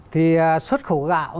thì xuất khẩu gạo